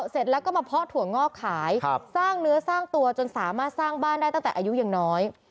เสร็จแล้วก็มาเพาะถั่วงอกขายสร้างเนื้อสร้างตัวจนสามารถสร้างบ้านได้ตั้งแต่อายุยังน้อย